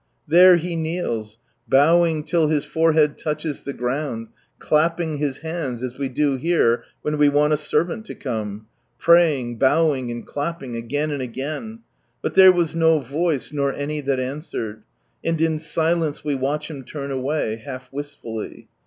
There he kneels, bowing till his forehead touches the ground, clapping his hands, as we do here, when we want a servant to come ; praying, bowing, and clapping, again and again ; "but there was no voice, nor any that answered," and in silence we watch him turn away, half wistfully.